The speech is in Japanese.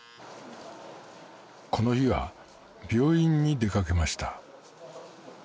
この日は病院に出かけました